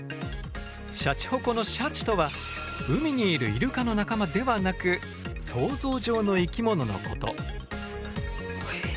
シャチホコのシャチとは海にいるイルカの仲間ではなく想像上の生き物のこと。